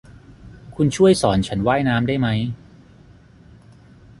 คุณช่วยสอนฉันว่ายน้ำได้มั้ย